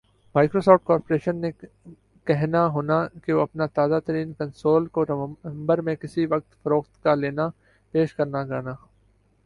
Microsoft corporation نے کہنا ہونا کہ وُہ اپنا تازہ ترین کنسول کو نومبر میں کِسی وقت فروخت کا لینا پیش کرنا گانا